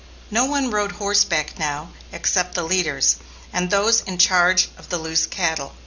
No one rode horseback now, except the leaders, and those in charge of the loose cattle.